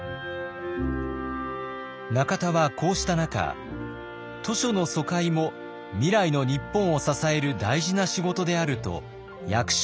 中田はこうした中「図書の疎開も未来の日本を支える大事な仕事である」と役所を説得。